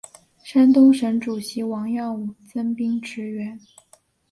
山东省主席王耀武增兵驰援。